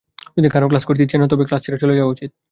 যদি কারও ক্লাস করতে ইচ্ছে না হয়, তবে ক্লাস ছেড়ে চলে যাওয়া উচিত।